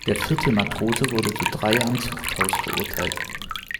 Der vierte Matrose wurde zu drei Jahren Zuchthaus verurteilt.